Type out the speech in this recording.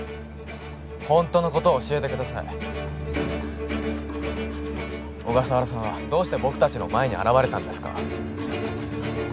ホントのことを教えてください小笠原さんはどうして僕達の前に現れたんですか？